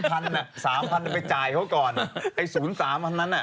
๓พันไปจ่ายเขาก่อนไอ้ศูนย์๓พันนั้นน่ะ